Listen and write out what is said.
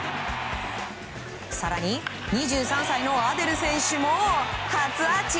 更に、２３歳のアデル選手も初アーチ！